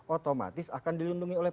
otomatis akan dilindungi oleh